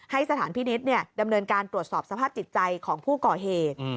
สถานพินิษฐ์ดำเนินการตรวจสอบสภาพจิตใจของผู้ก่อเหตุ